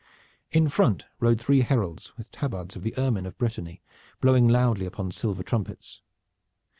In front rode three heralds with tabards of the ermine of Brittany, blowing loudly upon silver trumpets.